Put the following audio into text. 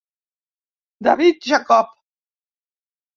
David Jacob.